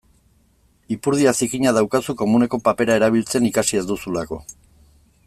Ipurdia zikina daukazu komuneko papera erabiltzen ikasi ez duzulako.